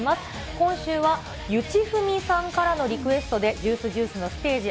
今週はゆちふみさんからのリクエストで、ジュースジュースＳＴＡＧＥ